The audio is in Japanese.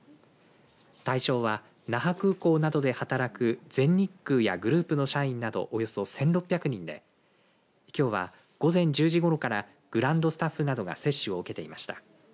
対象は、那覇空港などで働く全日空やグループの社員などおよそ１６００人できょうは午前１０時ごろからグランドスタッフなどが接種を受けていました。